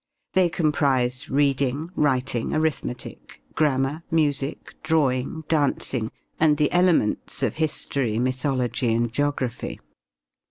They comprised reading, writing, arithmetic, grammar, music, drawing, dancing, and the elements of history, mythology and geography.